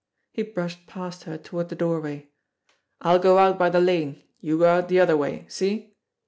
He brushed past her toward the doorway. "I'll go out by the lane, you go out the other way. See?"